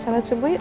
salat subuh ya